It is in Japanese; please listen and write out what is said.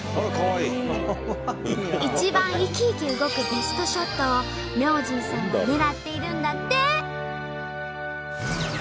一番生き生き動くベストショットを明神さんは狙っているんだって。